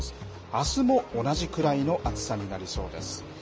あすも同じくらいの暑さになりそうです。